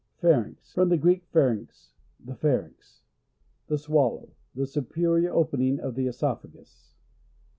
Pharynx. — From the Greek, pharugx, the pharynx. The swallow. Th6 superior opening of the (Esophagus.